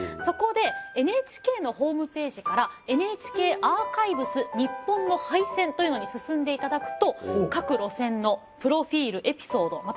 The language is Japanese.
そこでＮＨＫのホームページから「ＮＨＫアーカイブスにっぽんの廃線」というのに進んで頂くと各路線のプロフィールエピソード